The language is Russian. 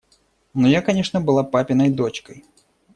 Но я, конечно, была папиной дочкой.